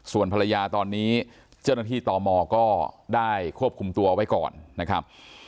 ส่วนภรรยาตอนนี้เจ้าหน้าที่ตมก็ได้ควบคุมตัวไว้ก่อนนะครับ